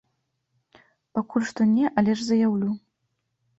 Пакуль што не, але ж заяўлю.